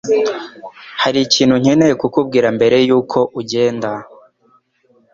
Hariho ikintu nkeneye kukubwira mbere yuko ugenda.